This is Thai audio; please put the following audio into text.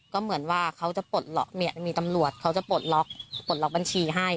ก็เหมือนว่าเขาจะปลดล็อกเนี่ยมีตำรวจเขาจะปลดล็อกปลดล็อกบัญชีให้